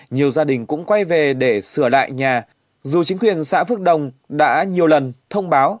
nhiều gia đình cũng quay về để sửa lại nhà dù chính quyền xã phước đồng đã nhiều lần thông báo